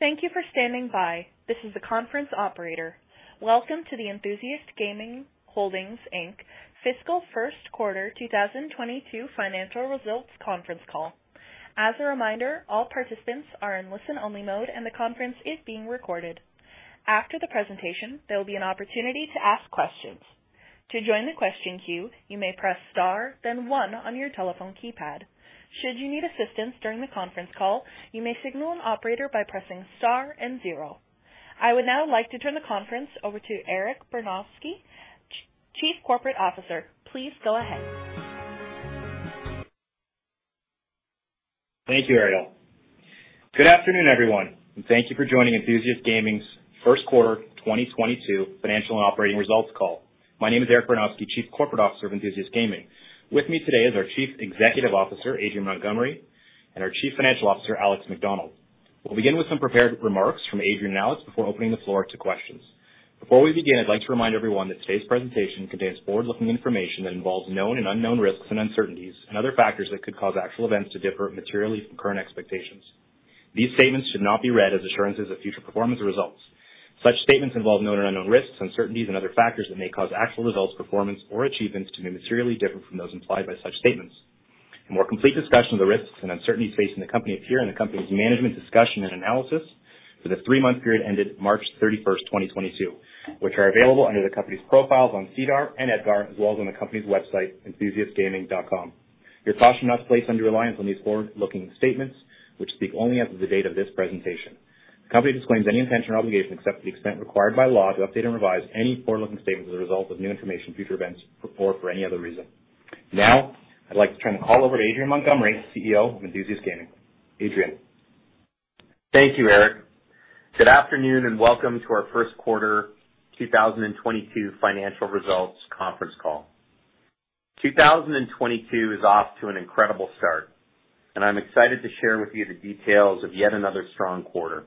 Thank you for standing by. This is the conference operator. Welcome to the Enthusiast Gaming Holdings Inc Fiscal Q1 2022 Financial Results Conference Call. As a reminder, all participants are in listen-only mode, and the conference is being recorded. After the presentation, there will be an opportunity to ask questions. To join the question queue, you may press star then one on your telephone keypad. Should you need assistance during the conference call, you may signal an operator by pressing star and zero. I would now like to turn the conference over to Eric Bernofsky, Chief Corporate Officer. Please go ahead. Thank you, Ariel. Good afternoon, everyone, and thank you for joining Enthusiast Gaming's Q1 2022 financial and operating results call. My name is Eric Bernofsky, Chief Corporate Officer of Enthusiast Gaming. With me today is our Chief Executive Officer, Adrian Montgomery, and our Chief Financial Officer, Alex Macdonald. We'll begin with some prepared remarks from Adrian and Alex before opening the floor to questions. Before we begin, I'd like to remind everyone that today's presentation contains forward-looking information that involves known and unknown risks and uncertainties and other factors that could cause actual events to differ materially from current expectations. These statements should not be read as assurances of future performance or results. Such statements involve known and unknown risks, uncertainties, and other factors that may cause actual results, performance, or achievements to be materially different from those implied by such statements. A more complete discussion of the risks and uncertainties facing the company appear in the company's management discussion and analysis for the three-month period ended March 31, 2022, which are available under the company's profiles on SEDAR and EDGAR, as well as on the company's website, enthusiastgaming.com. You're cautioned not to place undue reliance on these forward-looking statements, which speak only as of the date of this presentation. The company disclaims any intention or obligation, except to the extent required by law, to update and revise any forward-looking statements as a result of new information, future events, or for any other reason. Now, I'd like to turn the call over to Adrian Montgomery, CEO of Enthusiast Gaming. Adrian. Thank you, Eric. Good afternoon, and welcome to our Q1 2022 financial results conference call. 2022 is off to an incredible start, and I'm excited to share with you the details of yet another strong quarter.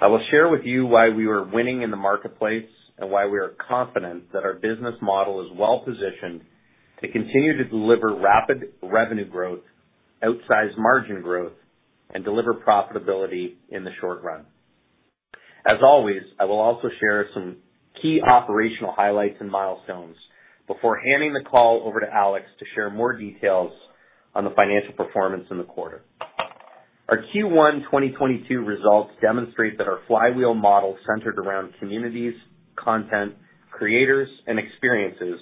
I will share with you why we are winning in the marketplace and why we are confident that our business model is well-positioned to continue to deliver rapid revenue growth, outsized margin growth, and deliver profitability in the short run. As always, I will also share some key operational highlights and milestones before handing the call over to Alex to share more details on the financial performance in the quarter. Our Q1 2022 results demonstrate that our flywheel model centered around communities, content, creators, and experiences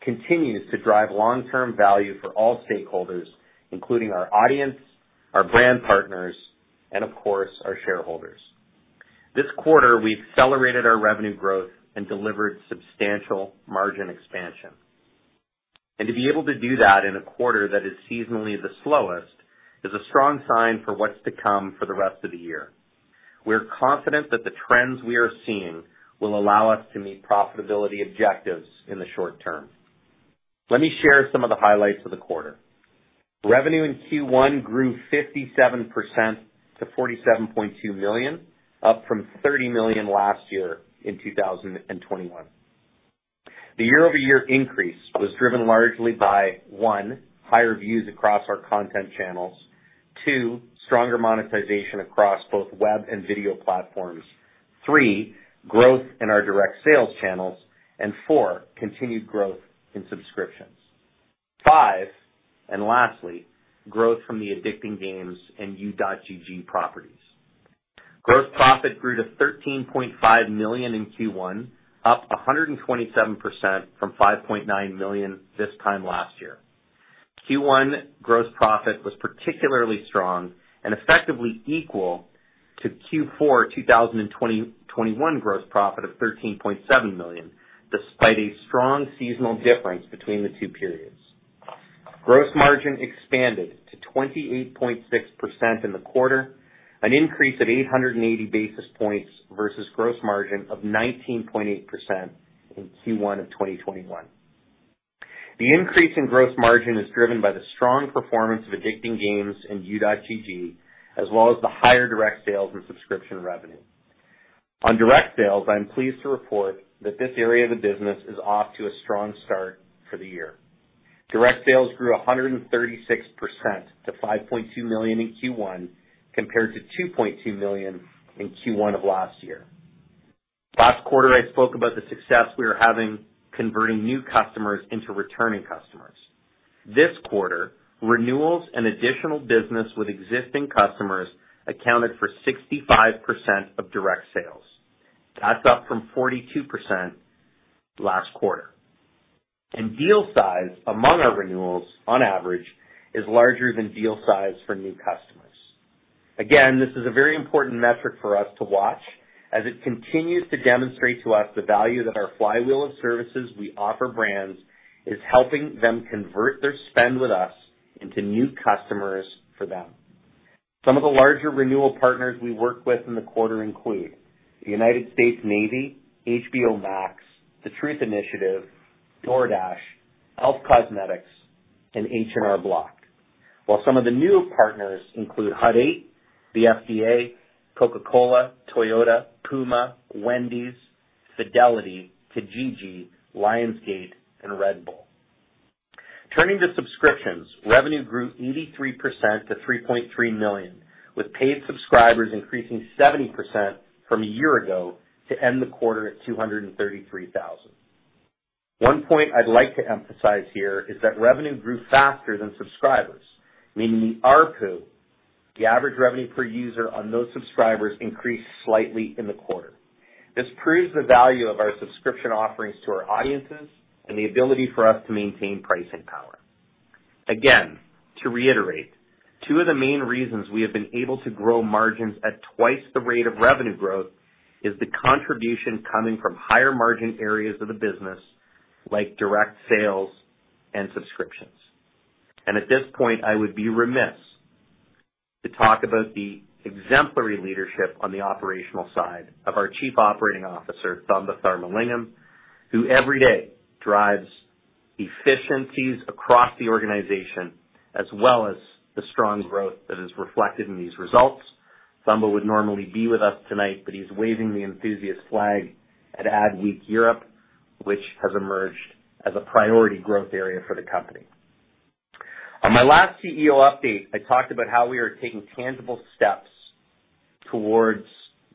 continues to drive long-term value for all stakeholders, including our audience, our brand partners, and of course, our shareholders. This quarter, we accelerated our revenue growth and delivered substantial margin expansion. To be able to do that in a quarter that is seasonally the slowest is a strong sign for what's to come for the rest of the year. We're confident that the trends we are seeing will allow us to meet profitability objectives in the short term. Let me share some of the highlights for the quarter. Revenue in Q1 grew 57% to 47.2 million, up from 30 million last year in 2021. The year-over-year increase was driven largely by, one, higher views across our content channels, two, stronger monetization across both web and video platforms, three, growth in our direct sales channels, and four, continued growth in subscriptions. Five, and lastly, growth from the Addicting Games and U.GG properties. Gross profit grew to 13.5 million in Q1, up 127% from 5.9 million this time last year. Q1 gross profit was particularly strong and effectively equal to Q4 2021 gross profit of 13.7 million, despite a strong seasonal difference between the two periods. Gross margin expanded to 28.6% in the quarter, an increase of 880 basis points versus gross margin of 19.8% in Q1 of 2021. The increase in gross margin is driven by the strong performance of Addicting Games and U.GG, as well as the higher direct sales and subscription revenue. On direct sales, I'm pleased to report that this area of the business is off to a strong start for the year. Direct sales grew 136% to 5.2 million in Q1 compared to 2.2 million in Q1 of last year. Last quarter, I spoke about the success we were having converting new customers into returning customers. This quarter, renewals and additional business with existing customers accounted for 65% of direct sales. That's up from 42% last quarter. Deal size among our renewals on average is larger than deal size for new customers. Again, this is a very important metric for us to watch as it continues to demonstrate to us the value that our flywheel of services we offer brands is helping them convert their spend with us into new customers for them. Some of the larger renewal partners we worked with in the quarter include the United States Navy, HBO Max, Truth Initiative, DoorDash, e.l.f. Cosmetics, and H&R Block. While some of the new partners include HUD-8, the FDA, Coca-Cola, Toyota, PUMA, Wendy's, Fidelity, Kijiji, Lionsgate, and Red Bull. Turning to subscriptions, revenue grew 83% to 3.3 million, with paid subscribers increasing 70% from a year ago to end the quarter at 233,000. One point I'd like to emphasize here is that revenue grew faster than subscribers, meaning the ARPU, the average revenue per user on those subscribers, increased slightly in the quarter. This proves the value of our subscription offerings to our audiences and the ability for us to maintain pricing power. Again, to reiterate, two of the main reasons we have been able to grow margins at twice the rate of revenue growth is the contribution coming from higher margin areas of the business, like direct sales and subscriptions. At this point, I would be remiss to talk about the exemplary leadership on the operational side of our Chief Operating Officer, Thamba Tharmalingam, who every day drives efficiencies across the organization as well as the strong growth that is reflected in these results. Thamba would normally be with us tonight, but he's waving the Enthusiast flag at Advertising Week Europe, which has emerged as a priority growth area for the company. On my last CEO update, I talked about how we are taking tangible steps towards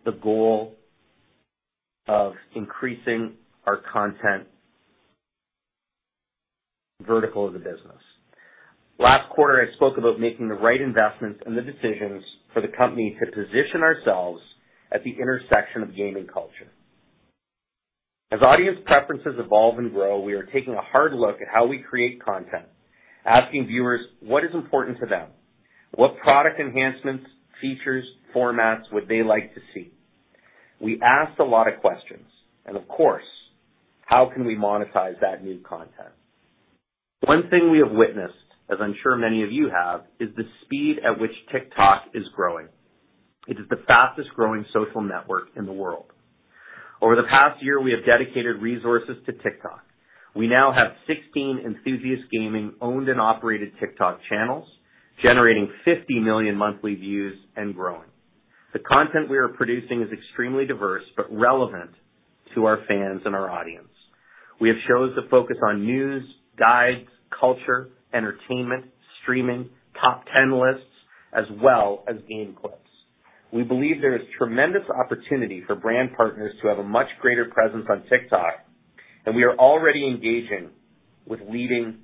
the goal of increasing our content vertical of the business. Last quarter, I spoke about making the right investments and the decisions for the company to position ourselves at the intersection of gaming culture. As audience preferences evolve and grow, we are taking a hard look at how we create content, asking viewers what is important to them, what product enhancements, features, formats would they like to see. We asked a lot of questions, and of course, how can we monetize that new content? One thing we have witnessed, as I'm sure many of you have, is the speed at which TikTok is growing. It is the fastest-growing social network in the world. Over the past year, we have dedicated resources to TikTok. We now have 16 Enthusiast Gaming owned and operated TikTok channels generating 50 million monthly views and growing. The content we are producing is extremely diverse but relevant to our fans and our audience. We have shows that focus on news, guides, culture, entertainment, streaming, top 10 lists, as well as game clips. We believe there is tremendous opportunity for brand partners to have a much greater presence on TikTok, and we are already engaging with leading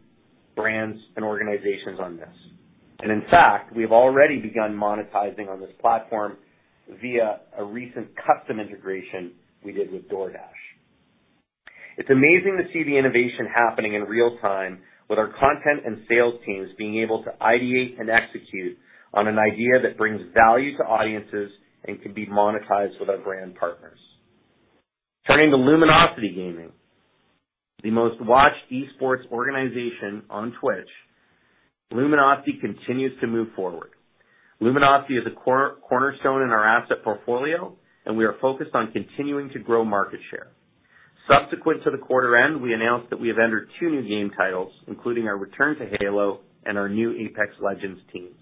brands and organizations on this. In fact, we have already begun monetizing on this platform via a recent custom integration we did with DoorDash. It's amazing to see the innovation happening in real time with our content and sales teams being able to ideate and execute on an idea that brings value to audiences and can be monetized with our brand partners. Turning to Luminosity Gaming, the most-watched esports organization on Twitch, Luminosity continues to move forward. Luminosity is a cornerstone in our asset portfolio, and we are focused on continuing to grow market share. Subsequent to the quarter end, we announced that we have entered two new game titles, including our return to Halo and our new Apex Legends teams.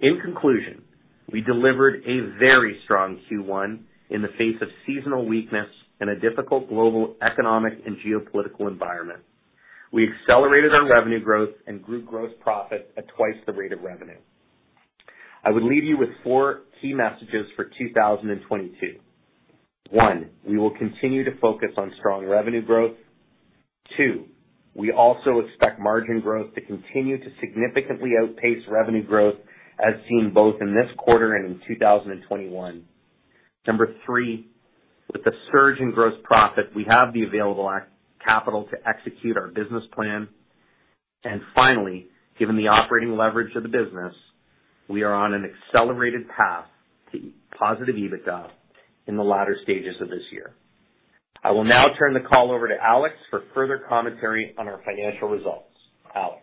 In conclusion, we delivered a very strong Q1 in the face of seasonal weakness in a difficult global economic and geopolitical environment. We accelerated our revenue growth and grew gross profit at twice the rate of revenue. I would leave you with four key messages for 2022. One, we will continue to focus on strong revenue growth. Two, we also expect margin growth to continue to significantly outpace revenue growth as seen both in this quarter and in 2021. Number three, with the surge in gross profit, we have the available capital to execute our business plan. Finally, given the operating leverage of the business, we are on an accelerated path to positive EBITDA in the latter stages of this year. I will now turn the call over to Alex for further commentary on our financial results. Alex.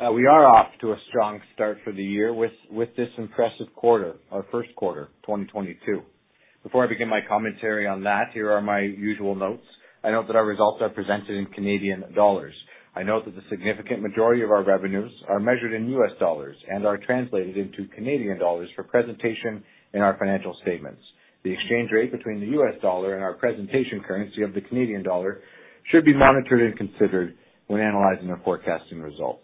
We are off to a strong start for the year with this impressive quarter, our Q1, 2022. Before I begin my commentary on that, here are my usual notes. I note that our results are presented in Canadian dollars. I note that the significant majority of our revenues are measured in U.S. dollars and are translated into Canadian dollars for presentation in our financial statements. The exchange rate between the U.S. dollar and our presentation currency of the Canadian dollar should be monitored and considered when analyzing or forecasting results.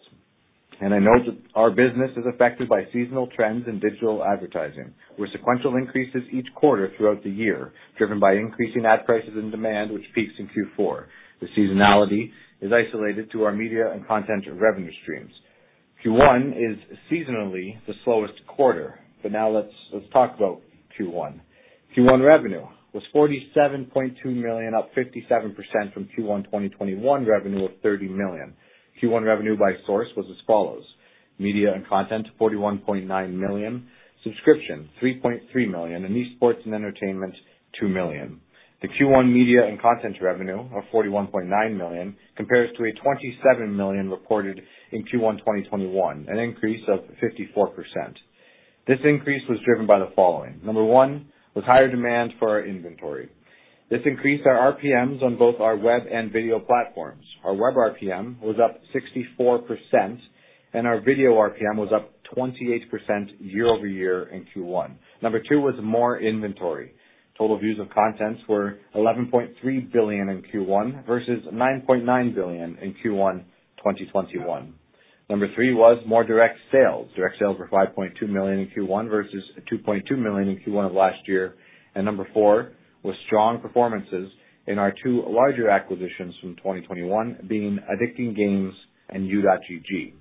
I know that our business is affected by seasonal trends in digital advertising, with sequential increases each quarter throughout the year driven by increasing ad prices and demand, which peaks in Q4. The seasonality is isolated to our media and content revenue streams. Q1 is seasonally the slowest quarter. Now let's talk about Q1. Q1 revenue was 47.2 million, up 57% from Q1 2021 revenue of 30 million. Q1 revenue by source was as follows: Media and content, 41.9 million. Subscription, 3.3 million. Esports and entertainment, 2 million. The Q1 media and content revenue of 41.9 million compares to 27 million reported in Q1 2021, an increase of 54%. This increase was driven by the following. Number one was higher demand for our inventory. This increased our RPMs on both our web and video platforms. Our web RPM was up 64%. Our video RPM was up 28% year-over-year in Q1. Number two was more inventory. Total views of contents were 11.3 billion in Q1 versus 9.9 billion in Q1 2021. Number three was more direct sales. Direct sales were $5.2 million in Q1 versus $2.2 million in Q1 of last year. Number four was strong performances in our two larger acquisitions from 2021 being Addicting Games and U.GG.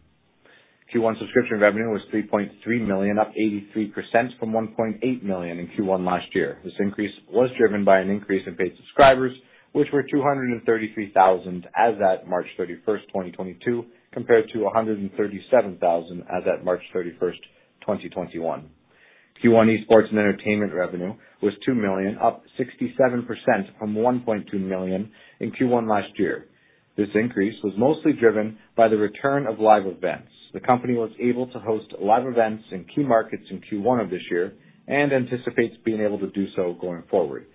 Q1 subscription revenue was $3.3 million, up 83% from $1.8 million in Q1 last year. This increase was driven by an increase in paid subscribers, which were 233,000 as at March 31, 2022, compared to 137,000 as at March 31, 2021. Q1 esports and entertainment revenue was $2 million, up 67% from $1.2 million in Q1 last year. This increase was mostly driven by the return of live events. The company was able to host live events in key markets in Q1 of this year and anticipates being able to do so going forward.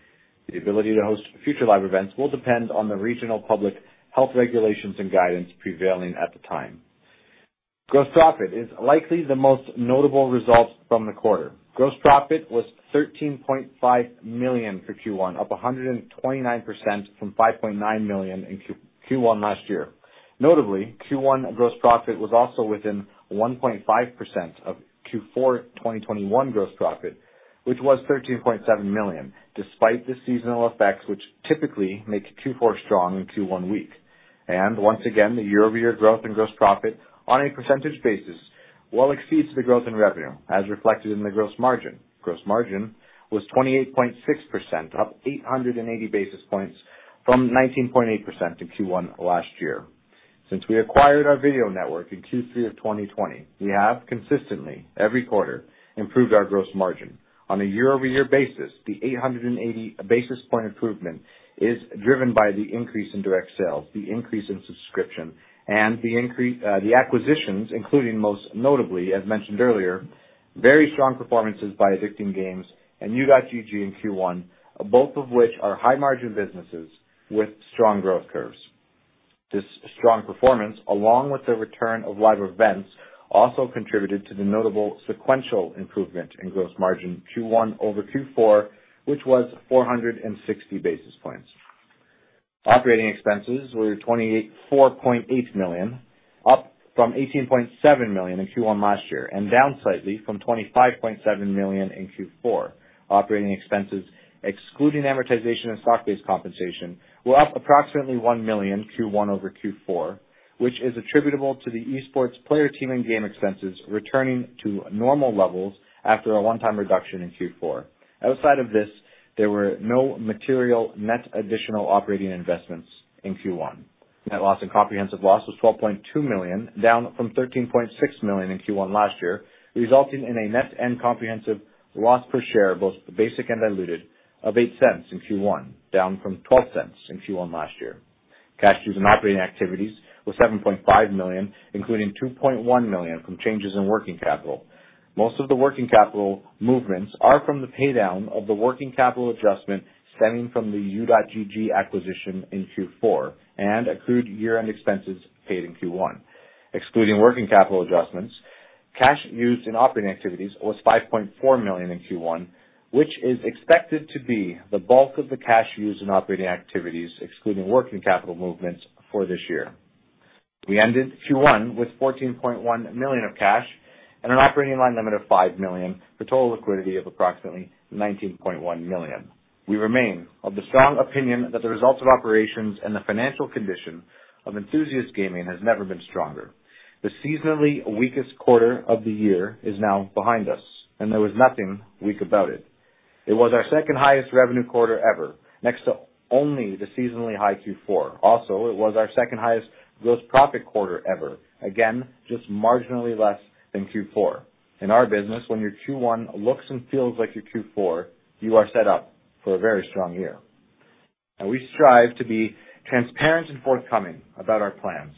The ability to host future live events will depend on the regional public health regulations and guidance prevailing at the time. Gross profit is likely the most notable results from the quarter. Gross profit was 13.5 million for Q1, up 129% from 5.9 million in Q1 last year. Notably, Q1 gross profit was also within 1.5% of Q4 2021 gross profit, which was 13.7 million, despite the seasonal effects, which typically make Q4 strong and Q1 weak. Once again, the year-over-year growth in gross profit on a percentage basis well exceeds the growth in revenue, as reflected in the gross margin. Gross margin was 28.6%, up 880 basis points from 19.8% in Q1 last year. Since we acquired our video network in Q3 of 2020, we have consistently, every quarter, improved our gross margin. On a year-over-year basis, the 880 basis point improvement is driven by the increase in direct sales, the increase in subscription, and the acquisitions, including most notably, as mentioned earlier, very strong performances by Addicting Games and U.GG in Q1, both of which are high margin businesses with strong growth curves. This strong performance, along with the return of live events, also contributed to the notable sequential improvement in gross margin, Q1 over Q4, which was 460 basis points. Operating expenses were 24.8 million, up from 18.7 million in Q1 last year and down slightly from 25.7 million in Q4. Operating expenses, excluding amortization and stock-based compensation, were up approximately 1 million Q1 over Q4, which is attributable to the esports player team and game expenses returning to normal levels after a one-time reduction in Q4. Outside of this, there were no material net additional operating investments in Q1. Net loss and comprehensive loss was 12.2 million, down from 13.6 million in Q1 last year, resulting in a net and comprehensive loss per share, both basic and diluted, of 0.08 in Q1, down from 0.12 in Q1 last year. Cash used in operating activities was 7.5 million, including 2.1 million from changes in working capital. Most of the working capital movements are from the paydown of the working capital adjustment stemming from the U.GG acquisition in Q4 and accrued year-end expenses paid in Q1. Excluding working capital adjustments, cash used in operating activities was 5.4 million in Q1, which is expected to be the bulk of the cash used in operating activities, excluding working capital movements for this year. We ended Q1 with 14.1 million of cash and an operating line limit of 5 million for total liquidity of approximately 19.1 million. We remain of the strong opinion that the results of operations and the financial condition of Enthusiast Gaming has never been stronger. The seasonally weakest quarter of the year is now behind us, and there was nothing weak about it. It was our second highest revenue quarter ever, next to only the seasonally high Q4. It was our second highest gross profit quarter ever. Again, just marginally less than Q4. In our business, when your Q1 looks and feels like your Q4, you are set up for a very strong year. Now we strive to be transparent and forthcoming about our plans,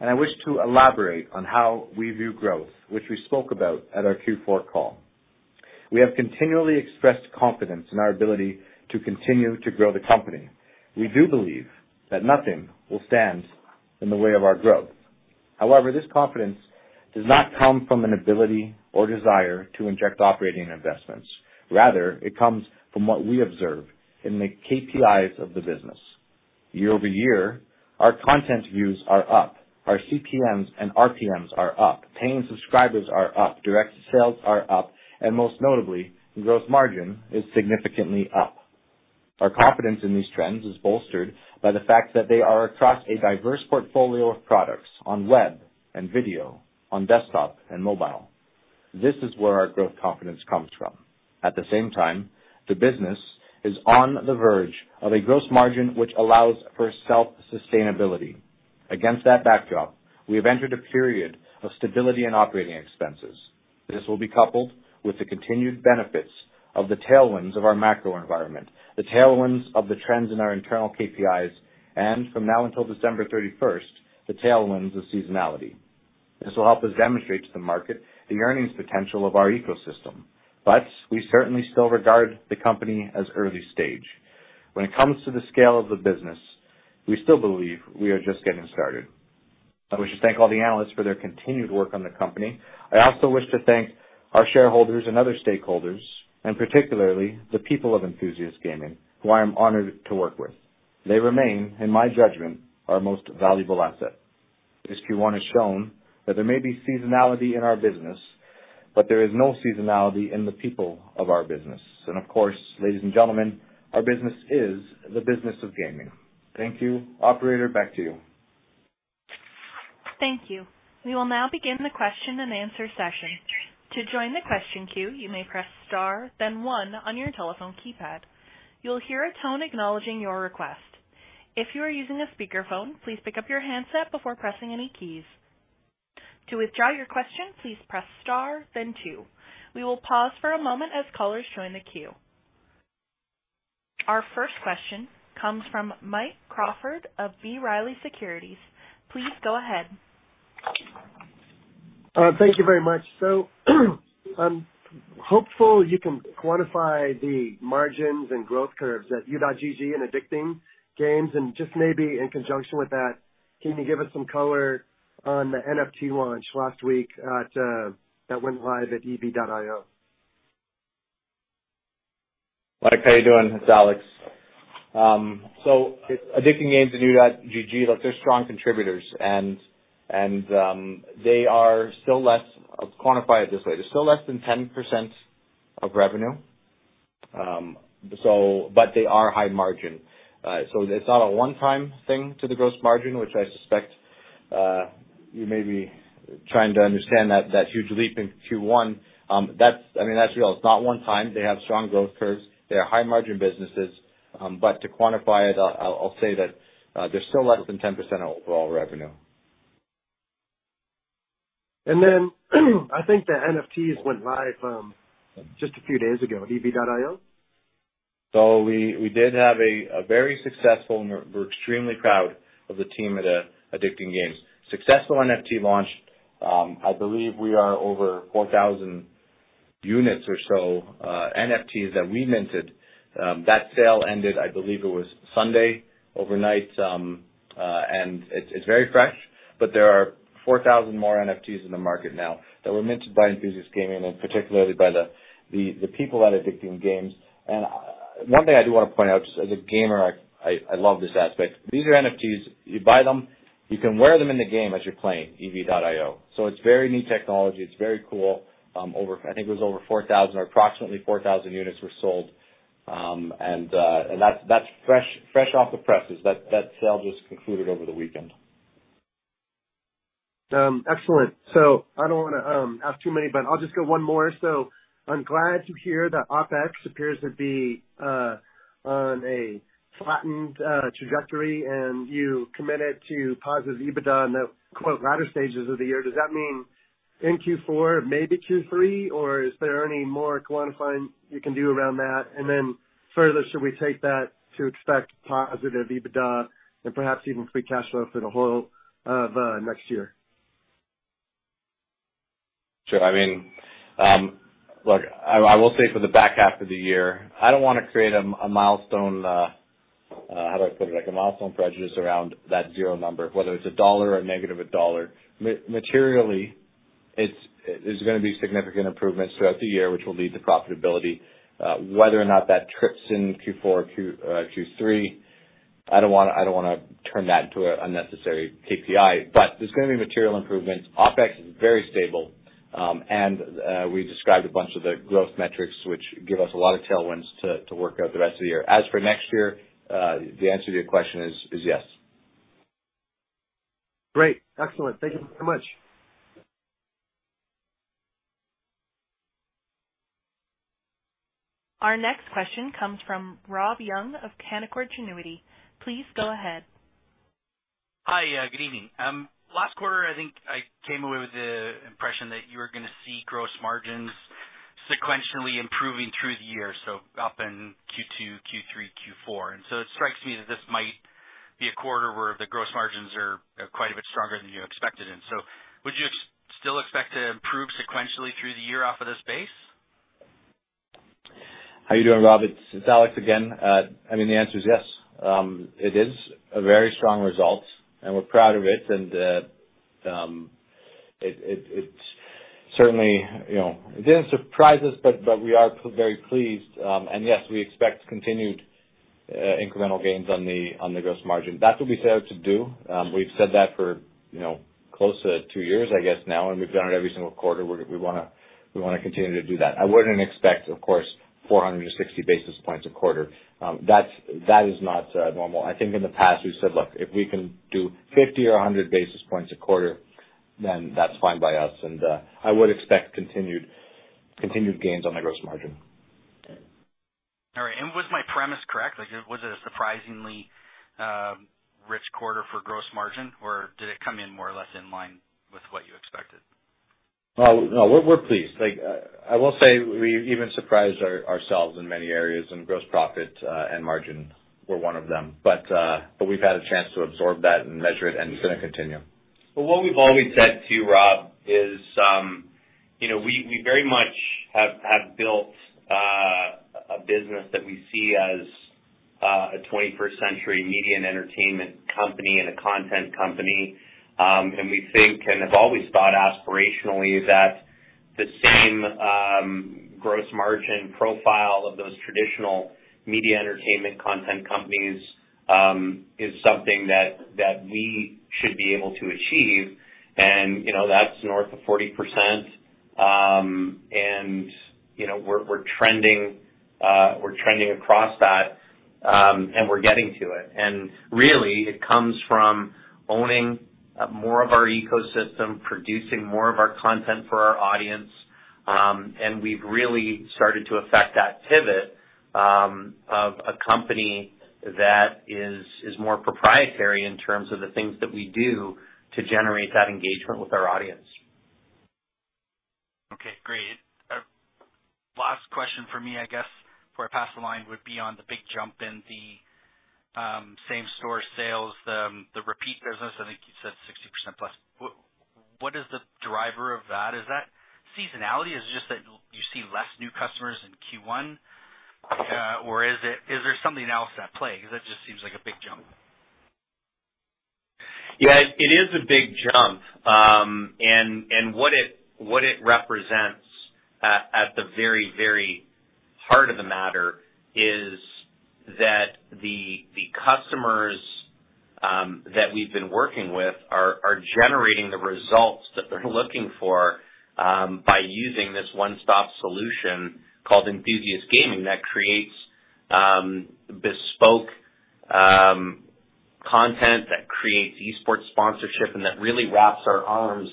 and I wish to elaborate on how we view growth, which we spoke about at our Q4 call. We have continually expressed confidence in our ability to continue to grow the company. We do believe that nothing will stand in the way of our growth. However, this confidence does not come from an ability or desire to inject operating investments. Rather, it comes from what we observe in the KPIs of the business. Year-over-year, our content views are up, our CPMs and RPMs are up, paying subscribers are up, direct sales are up, and most notably, gross margin is significantly up. Our confidence in these trends is bolstered by the fact that they are across a diverse portfolio of products on web and video, on desktop and mobile. This is where our growth confidence comes from. At the same time, the business is on the verge of a gross margin which allows for self-sustainability. Against that backdrop, we have entered a period of stability in operating expenses. This will be coupled with the continued benefits of the tailwinds of our macro environment, the tailwinds of the trends in our internal KPIs, and from now until December 31st, the tailwinds of seasonality. This will help us demonstrate to the market the earnings potential of our ecosystem. We certainly still regard the company as early stage. When it comes to the scale of the business, we still believe we are just getting started. I wish to thank all the analysts for their continued work on the company. I also wish to thank our shareholders and other stakeholders, and particularly the people of Enthusiast Gaming, who I am honored to work with. They remain, in my judgment, our most valuable asset. This Q1 has shown that there may be seasonality in our business, but there is no seasonality in the people of our business. Of course, ladies and gentlemen, our business is the business of gaming. Thank you. Operator, back to you. Thank you. We will now begin the question and answer session. To join the question queue, you may press star then one on your telephone keypad. You'll hear a tone acknowledging your request. If you are using a speakerphone, please pick up your handset before pressing any keys. To withdraw your question, please press star then two. We will pause for a moment as callers join the queue. Our first question comes from Mike Crawford of B. Riley Securities. Please go ahead. Thank you very much. I'm hopeful you can quantify the margins and growth curves at U.GG and Addicting Games. Just maybe in conjunction with that, can you give us some color on the NFT launch last week that went live at EV.io? Mike, how are you doing? It's Alex. Addicting Games and U.GG, they're strong contributors. They're still less than 10% of revenue, but they are high margin. It's not a one-time thing to the gross margin, which I suspect you may be trying to understand, that huge leap in Q1. I mean, that's real. It's not one time. They have strong growth curves. They are high margin businesses. To quantify it, I'll say that they're still less than 10% of overall revenue. I think the NFTs went live, just a few days ago at EV.io. We did have a very successful, and we're extremely proud of the team at Addicting Games. Successful NFT launch. I believe we are over 4,000 units or so NFTs that we minted. That sale ended, I believe it was Sunday overnight. It's very fresh. There are 4,000 more NFTs in the market now that were minted by Enthusiast Gaming and particularly by the people at Addicting Games. One thing I do wanna point out, just as a gamer, I love this aspect. These are NFTs. You buy them, you can wear them in the game as you're playing EV.io. It's very new technology. It's very cool. I think it was over 4,000 or approximately 4,000 units were sold. That's fresh off the presses. That sale just concluded over the weekend. Excellent. I don't wanna ask too many, but I'll just go one more. I'm glad to hear that OpEx appears to be on a flattened trajectory and you committed to positive EBITDA in the quote "latter stages of the year." Does that mean in Q4, maybe Q3, or is there any more quantifying you can do around that? Then further, should we take that to expect positive EBITDA and perhaps even free cash flow for the whole of next year? Sure. I mean, look, I will say for the back half of the year, I don't wanna create a milestone, how do I put it? Like a milestone prejudice around that 0 number, whether it's CAD 1 or -CAD 1. Materially, there's gonna be significant improvements throughout the year, which will lead to profitability. Whether or not that trips in Q4 or Q3, I don't wanna turn that into an unnecessary KPI, but there's gonna be material improvements. OpEx is very stable, we described a bunch of the growth metrics, which give us a lot of tailwinds to work out the rest of the year. As for next year, the answer to your question is yes. Great. Excellent. Thank you so much. Our next question comes from Robert Young of Canaccord Genuity. Please go ahead. Hi. Good evening. Last quarter, I think I came away with the impression that you were gonna see gross margins sequentially improving through the year, so up in Q2, Q3, Q4. It strikes me that this might be a quarter where the gross margins are quite a bit stronger than you expected. Would you still expect to improve sequentially through the year off of this base? How you doing, Rob? It's Alex again. I mean, the answer is yes. It is a very strong result, and we're proud of it. It certainly, you know, it didn't surprise us, but we are very pleased. Yes, we expect continued incremental gains on the gross margin. That's what we set out to do. We've said that for, you know, close to two years, I guess, now. We've done it every single quarter. We wanna continue to do that. I wouldn't expect, of course, 460 basis points a quarter. That's not normal. I think in the past we've said, look, if we can do 50 or 100 basis points a quarter, then that's fine by us. I would expect continued gains on the gross margin. All right. Was my premise correct? Like, was it a surprisingly rich quarter for gross margin, or did it come in more or less in line with what you expected? Well, no, we're pleased. Like, I will say we even surprised ourselves in many areas and gross profit and margin were one of them. We've had a chance to absorb that and measure it, and it's gonna continue. What we've always said too, Rob, is, you know, we very much have built a business that we see as a 21st century media and entertainment company and a content company. We think, and have always thought aspirationally that the same gross margin profile of those traditional media entertainment content companies is something that we should be able to achieve. You know, that's north of 40%. You know, we're trending across that, and we're getting to it. Really it comes from owning more of our ecosystem, producing more of our content for our audience. We've really started to effect that pivot of a company that is more proprietary in terms of the things that we do to generate that engagement with our audience. Okay, great. Last question for me, I guess, before I pass the line, would be on the big jump in the same store sales, the repeat business. I think you said 60%+. What is the driver of that? Is that seasonality? Is it just that you see less new customers in Q1? Or is there something else at play? Because that just seems like a big jump. Yeah, it is a big jump. What it represents at the very heart of the matter is that the customers that we've been working with are generating the results that they're looking for by using this one-stop solution called Enthusiast Gaming that creates bespoke content that creates esports sponsorship and that really wraps our arms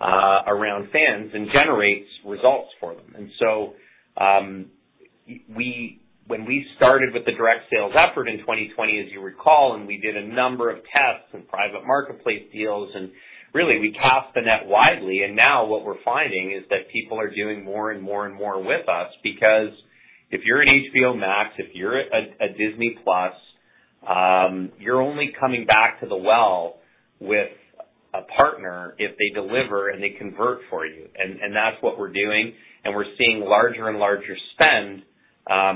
around fans and generates results for them. When we started with the direct sales effort in 2020, as you recall, and we did a number of tests and private marketplace deals, and really we cast the net widely. Now what we're finding is that people are doing more and more and more with us because if you're an HBO Max, if you're a Disney Plus, you're only coming back to the well with a partner if they deliver and they convert for you. And that's what we're doing. We're seeing larger and larger spend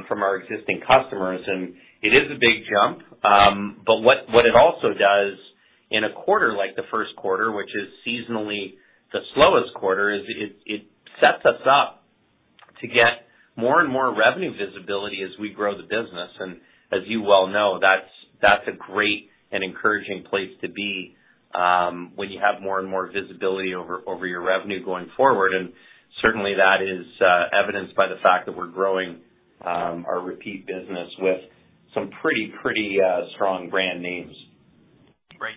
from our existing customers. It is a big jump. But what it also does in a quarter like the Q1, which is seasonally the slowest quarter, is it sets us up to get more and more revenue visibility as we grow the business. As you well know, that's a great and encouraging place to be when you have more and more visibility over your revenue going forward. Certainly that is evidenced by the fact that we're growing our repeat business with some pretty strong brand names. Right.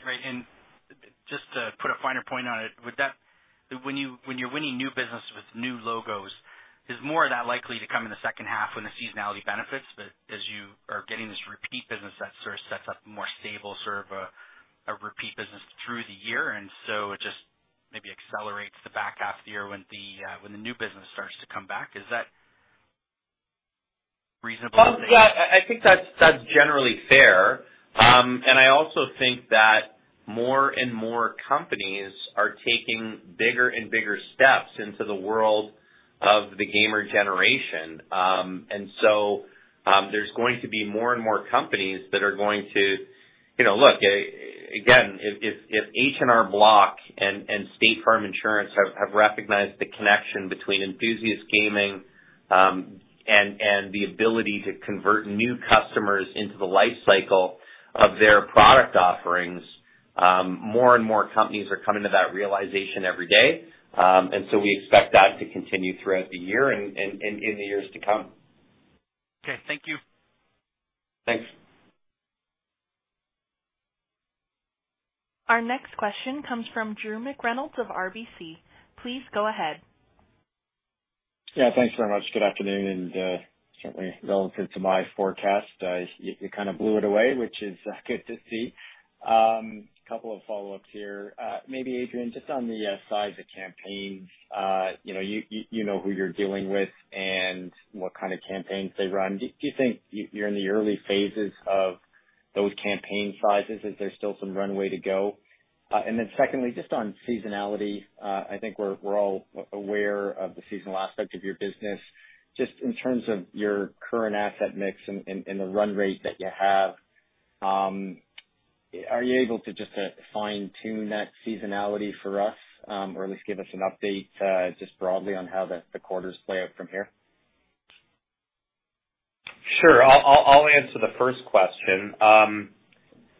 Just to put a finer point on it, when you're winning new business with new logos, is more of that likely to come in the H2 when the seasonality benefits, but as you are getting this repeat business that sort of sets up more stable, sort of, a repeat business through the year. It just maybe accelerates the back half of the year when the new business starts to come back. Is that reasonable to think? Well, I think that's generally fair. I also think that more and more companies are taking bigger and bigger steps into the world of the gamer generation. There's going to be more and more companies that are going to. You know, look, again, if H&R Block and State Farm Insurance have recognized the connection between Enthusiast Gaming and the ability to convert new customers into the life cycle of their product offerings, more and more companies are coming to that realization every day. We expect that to continue throughout the year and in the years to come. Okay, thank you. Thanks. Our next question comes from Drew McReynolds of RBC. Please go ahead. Yeah, thanks very much. Good afternoon. Certainly relative to my forecast, you kind of blew it away, which is good to see. A couple of follow-ups here. Maybe Adrian, just on the size of campaigns, you know who you're dealing with and what kind of campaigns they run. Do you think you're in the early phases of those campaign sizes? Is there still some runway to go? Then secondly, just on seasonality, I think we're all aware of the seasonal aspect of your business, just in terms of your current asset mix and the run rate that you have. Are you able to just fine-tune that seasonality for us, or at least give us an update, just broadly on how the quarters play out from here? Sure. I'll answer the first question.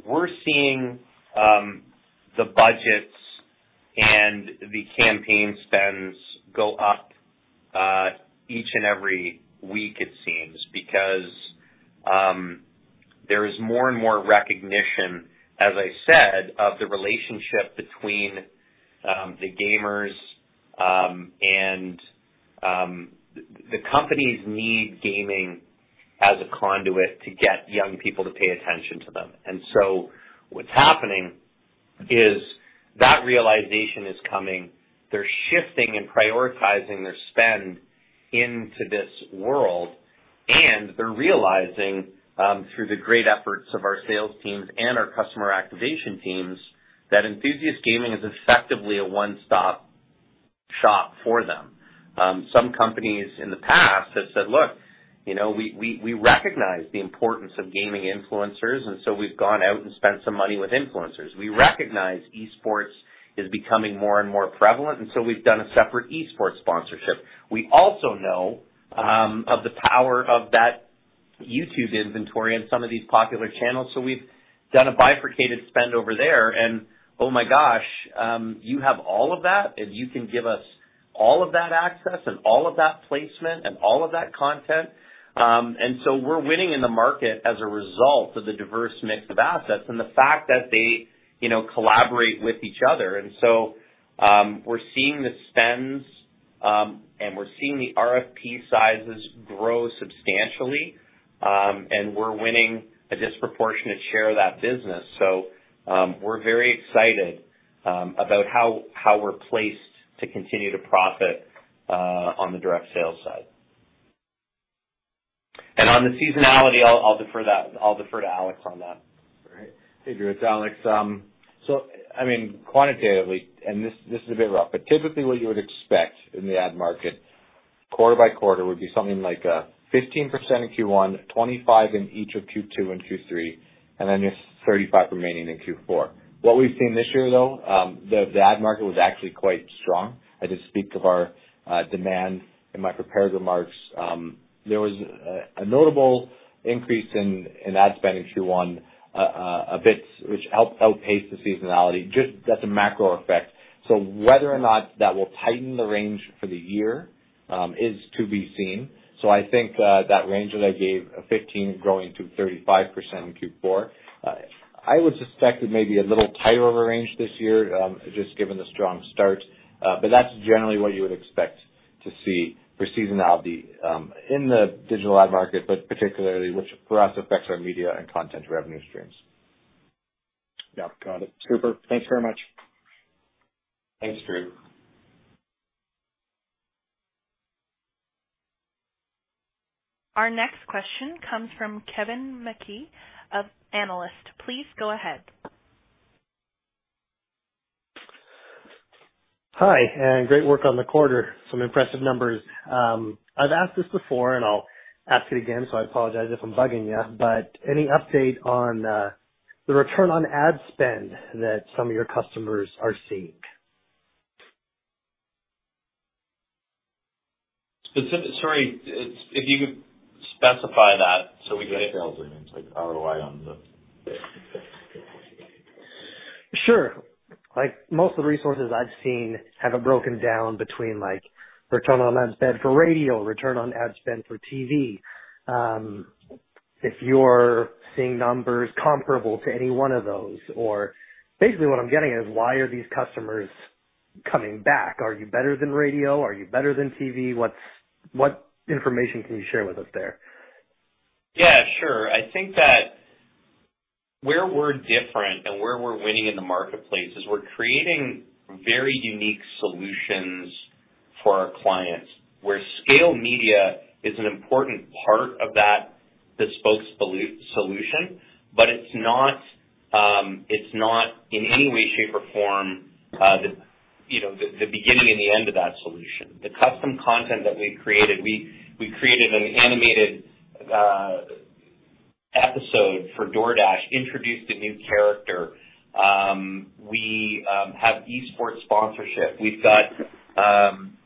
We're seeing the budgets and the campaign spends go up each and every week it seems because there is more and more recognition, as I said, of the relationship between the gamers and the companies need gaming as a conduit to get young people to pay attention to them. What's happening is that realization is coming. They're shifting and prioritizing their spend into this world, and they're realizing through the great efforts of our sales teams and our customer activation teams, that Enthusiast Gaming is effectively a one-stop shop for them. Some companies in the past have said, "Look, you know, we recognize the importance of gaming influencers, and so we've gone out and spent some money with influencers. We recognize esports is becoming more and more prevalent, and so we've done a separate esports sponsorship. We also know of the power of that YouTube inventory and some of these popular channels, so we've done a bifurcated spend over there. Oh my gosh, you have all of that, and you can give us all of that access and all of that placement and all of that content. We're winning in the market as a result of the diverse mix of assets and the fact that they, you know, collaborate with each other. We're seeing the spends, and we're seeing the RFP sizes grow substantially, and we're winning a disproportionate share of that business. We're very excited about how we're placed to continue to profit on the direct sales side. On the seasonality, I'll defer that. I'll defer to Alex on that. All right. Hey, Drew, it's Alex. I mean, quantitatively, and this is a bit rough, but typically what you would expect in the ad market quarter-by-quarter would be something like 15% in Q1, 25% in each of Q2 and Q3, and then just 35% remaining in Q4. What we've seen this year though, the ad market was actually quite strong. I just speak to our demand in my prepared remarks. There was a notable increase in ad spend in Q1, a bit which outpaced the seasonality, just as a macro effect. Whether or not that will tighten the range for the year is to be seen. I think that range that I gave of 15%-35% in Q4, I would suspect that maybe a little tighter range this year, just given the strong start. That's generally what you would expect to see for seasonality in the digital ad market, but particularly which for us affects our media and content revenue streams. Yeah. Got it. Super. Thanks very much. Thanks, Drew. Our next question comes from Kevin Krishnaratne of Desjardins Securities. Please go ahead. Hi, and great work on the quarter. Some impressive numbers. I've asked this before, and I'll ask it again, so I apologize if I'm bugging you. Any update on the return on ad spend that some of your customers are seeing? If you could specify that so we can. Details or names, like ROI on the. Sure. Like, most of the resources I've seen have it broken down between, like, return on ad spend for radio, return on ad spend for TV. If you're seeing numbers comparable to any one of those. Basically what I'm getting at is why are these customers coming back? Are you better than radio? Are you better than TV? What information can you share with us there? Yeah, sure. I think that where we're different and where we're winning in the marketplace is we're creating very unique solutions for our clients, where scale media is an important part of that bespoke solution, but it's not in any way, shape, or form, the you know the beginning and the end of that solution. The custom content that we created, we created an animated episode for DoorDash, introduced a new character. We have esports sponsorship. We've got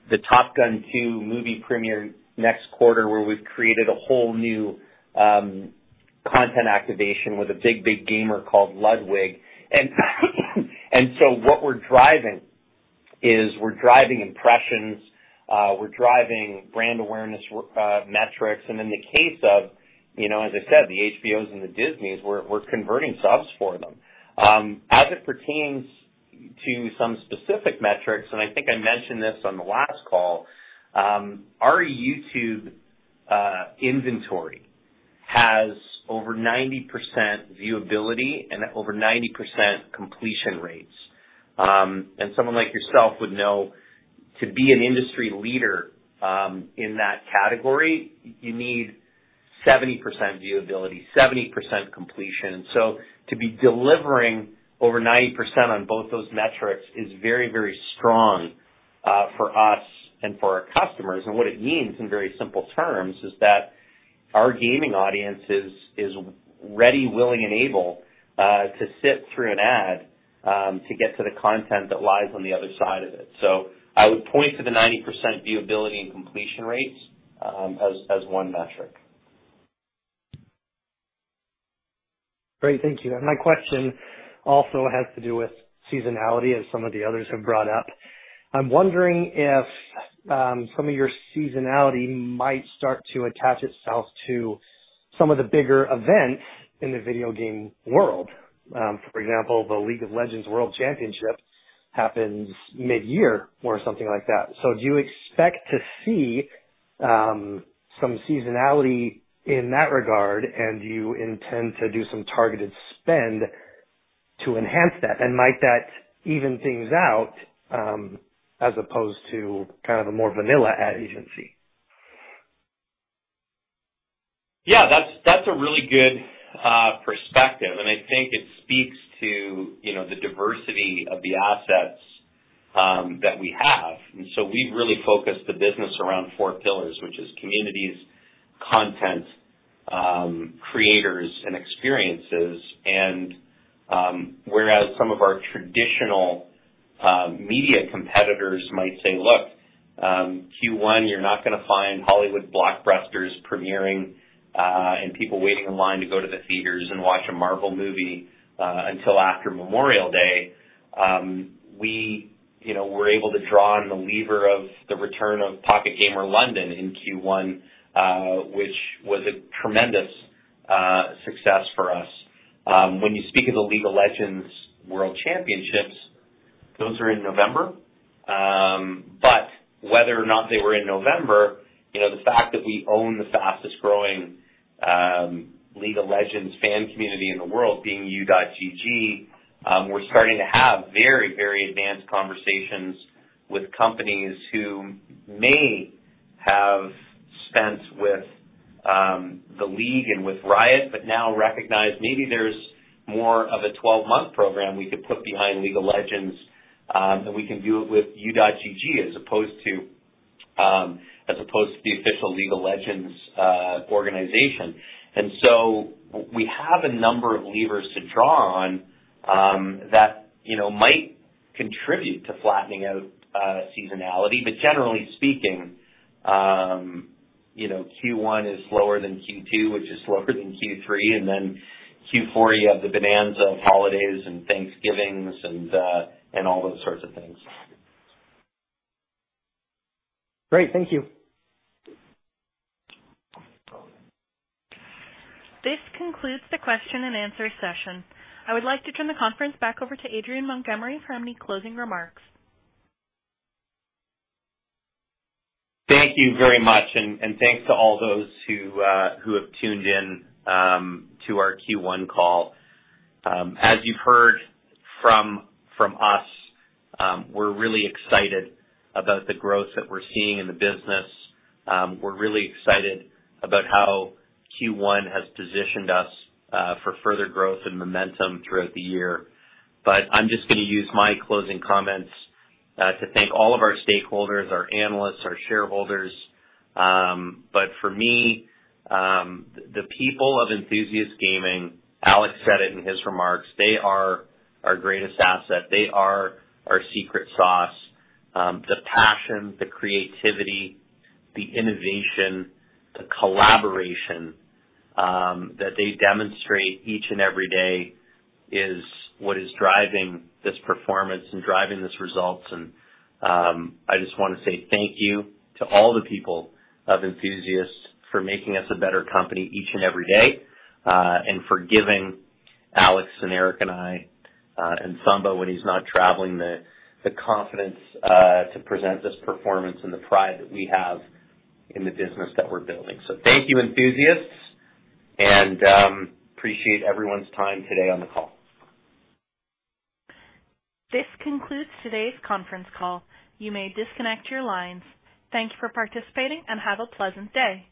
the Top Gun: Maverick movie premiere next quarter, where we've created a whole new content activation with a big gamer called Ludwig. What we're driving is we're driving impressions, we're driving brand awareness, metrics. In the case of, you know, as I said, the HBOs and the Disneys, we're converting subs for them. As it pertains to some specific metrics, and I think I mentioned this on the last call, our YouTube inventory has over 90% viewability and over 90% completion rates. Someone like yourself would know to be an industry leader, in that category, you need 70% viewability, 70% completion. To be delivering over 90% on both those metrics is very, very strong, for us and for our customers. What it means, in very simple terms, is that our gaming audience is ready, willing and able, to sit through an ad, to get to the content that lies on the other side of it. I would point to the 90% viewability and completion rates, as one metric. Great. Thank you. My question also has to do with seasonality, as some of the others have brought up. I'm wondering if some of your seasonality might start to attach itself to some of the bigger events in the video game world. For example, the League of Legends World Championship happens midyear or something like that. So do you expect to see some seasonality in that regard, and do you intend to do some targeted spend to enhance that? Might that even things out, as opposed to kind of a more vanilla ad agency? Yeah, that's a really good perspective, and I think it speaks to, you know, the diversity of the assets that we have. We've really focused the business around four pillars, which is communities, content, creators, and experiences. Whereas some of our traditional media competitors might say, "Look, Q1, you're not gonna find Hollywood blockbusters premiering, and people waiting in line to go to the theaters and watch a Marvel movie, until after Memorial Day." We, you know, we're able to draw on the lever of the return of Pocket Gamer Connects London in Q1, which was a tremendous success for us. When you speak of the League of Legends World Championships, those are in November. Whether or not they were in November, you know, the fact that we own the fastest growing League of Legends fan community in the world, being U.GG, we're starting to have very, very advanced conversations with companies who may have spent with the league and with Riot, but now recognize maybe there's more of a 12-month program we could put behind League of Legends. We can do it with U.GG as opposed to the official League of Legends organization. We have a number of levers to draw on, you know, that might contribute to flattening out seasonality. Generally speaking, you know, Q1 is slower than Q2, which is slower than Q3. Q4, you have the bonanza of holidays and Thanksgivings and all those sorts of things. Great. Thank you. This concludes the question and answer session. I would like to turn the conference back over to Adrian Montgomery for any closing remarks. Thank you very much, thanks to all those who have tuned in to our Q1 call. As you've heard from us, we're really excited about the growth that we're seeing in the business. We're really excited about how Q1 has positioned us for further growth and momentum throughout the year. I'm just gonna use my closing comments to thank all of our stakeholders, our analysts, our shareholders. For me, the people of Enthusiast Gaming, Alex said it in his remarks, they are our greatest asset. They are our secret sauce. The passion, the creativity, the innovation, the collaboration that they demonstrate each and every day is what is driving this performance and driving these results. I just wanna say thank you to all the people of Enthusiast for making us a better company each and every day, and for giving Alex and Eric and I, and Thamba when he's not traveling, the confidence to present this performance and the pride that we have in the business that we're building. Thank you, Enthusiasts, and appreciate everyone's time today on the call. This concludes today's conference call. You may disconnect your lines. Thank you for participating and have a pleasant day.